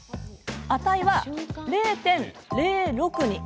値は０．０６に。